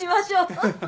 ハハハ。